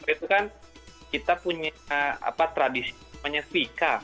itu kan kita punya tradisi namanya fika